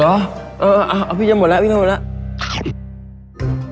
เออเอ้าพี่ยังหมดแล้วพี่ยังหมดแล้ว